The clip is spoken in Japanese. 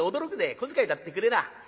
小遣いだってくれらぁ。